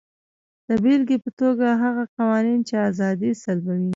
د بېلګې په توګه هغه قوانین چې ازادي سلبوي.